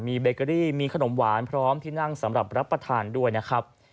มีเบเกอรี่มีขนมหวานพร้อมที่นั่งสำหรับรับประทานด้วยนะครับ